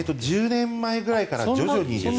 １０年ぐらい前から徐々に。